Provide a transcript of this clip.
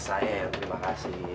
sayang terima kasih